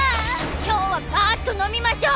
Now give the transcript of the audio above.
今日はパーッと飲みましょう！